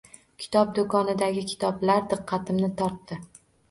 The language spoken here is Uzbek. Kitob do’konidagi kitoblar diqqatimni tortdi.